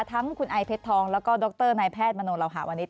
ทั้งคุณไอเพชรทองแล้วก็ดรนายแพทย์มโนลาวหาวณิช